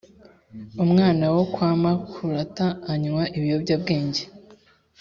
umwana wokwamakurata anywa ibiyobya bwenge